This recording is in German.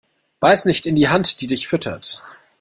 Beiß nicht in die Hand, die dich füttert.